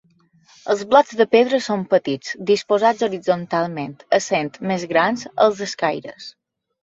Els blocs de pedra són petits, disposats horitzontalment, essent més grans als escaires.